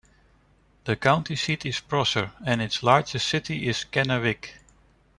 The county seat is Prosser, and its largest city is Kennewick.